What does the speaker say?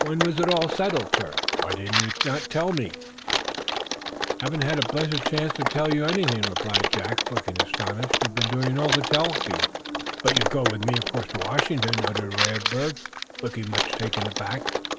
When was it all settled, sir?" "Why, did you not tell me " "Haven't had a blessed chance to tell you anything," replied Jack, looking astonished. "You've been doing all the telling." "But you'll go with me, of course, to Washington?" uttered Radberg, looking much taken aback.